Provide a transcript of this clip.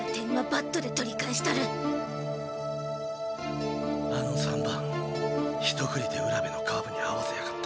心の声あの３番１振りで卜部のカーブに合わせやがった。